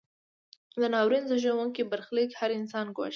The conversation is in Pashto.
دا ناورین زیږوونکی برخلیک هر انسان ګواښي.